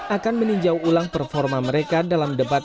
akan meninjau ulang performa mereka dalam debat